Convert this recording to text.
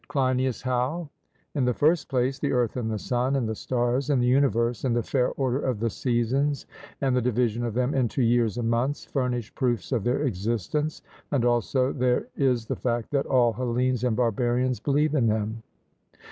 CLEINIAS: How? In the first place, the earth and the sun, and the stars and the universe, and the fair order of the seasons, and the division of them into years and months, furnish proofs of their existence, and also there is the fact that all Hellenes and barbarians believe in them.